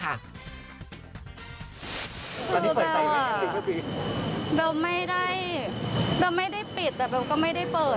คือว่าเราไม่ได้เราไม่ได้ปิดแต่ก็ไม่ได้เปิด